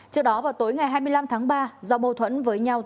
trước đó vào tối ngày hai mươi năm tháng ba do mâu thuẫn với nhà trường